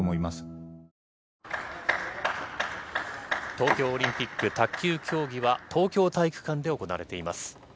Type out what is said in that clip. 東京オリンピック卓球競技は、東京体育館で行われています。